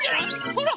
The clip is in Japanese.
ほら！